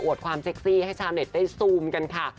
ความเซ็กซี่ให้ชาวเน็ตได้ซูมกันค่ะ